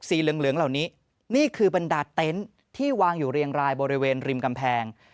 เหลืองเหล่านี้นี่คือบรรดาเต็นต์ที่วางอยู่เรียงรายบริเวณริมกำแพง